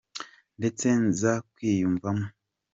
ndetse nza kwiyumvamo.